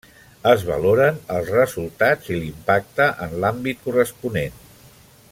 Es valoren els resultats i l'impacte en l'àmbit corresponent.